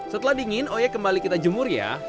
setelah dingin oyek kembali kita jemur ya